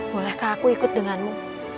bolehkah aku ikut denganmu